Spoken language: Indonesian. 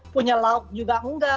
punya lauk juga enggak